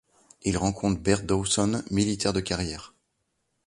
Il rencontre Bert Dawson, militaire de carrière.